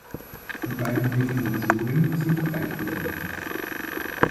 Die beiden Definitionen sind gleichbedeutend.